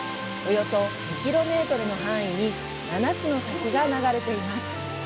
およそ２キロメートルの範囲に７つの滝が流れています。